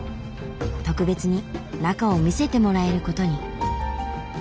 特別に中を見せてもらえることに。